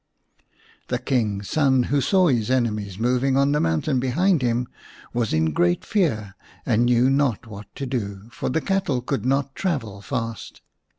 The King's son, who saw his enemies moving on the mountains behind him, was in great fear and knew not what to do, for the cattle could not travel fast.